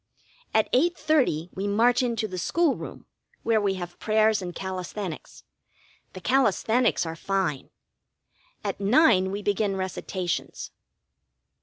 At 8.30 we march into the school room, where we have prayers and calisthenics. The calisthenics are fine. At nine we begin recitations.